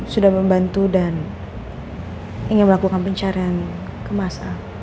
sudah membantu dan ingin melakukan pencarian ke masa